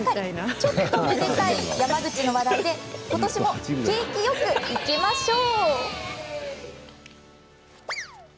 ちょっとめでたい山口の話題で今年も景気よくいきましょう。